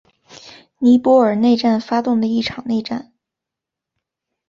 尼泊尔内战发动的一场内战。